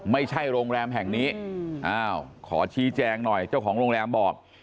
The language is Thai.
ไม่ใช่โรงแรมแห่งนี้อ้าวขอชี้แจงหน่อยเจ้าของโรงแรมบอก